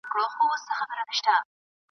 اوس به څوک په لپو لپو د پېغلوټو دیدن غلا کړي .